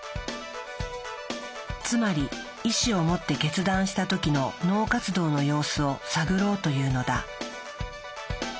つまり意志を持って決断した時の脳活動の様子を探ろうというのだ。